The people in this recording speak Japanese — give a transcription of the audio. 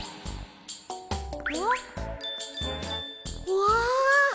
うわ！